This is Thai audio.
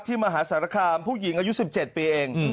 ที่มหาศาลกรรมผู้หญิงอายุ๑๗ปีเอง